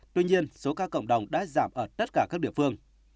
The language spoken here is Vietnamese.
tuy nhiên số ca cộng đồng đã giảm ở tất cả các địa phương